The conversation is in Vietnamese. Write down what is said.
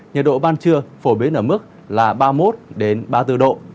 nhiệt độ ban trưa phổ biến ở mức là ba mươi một ba mươi bốn độ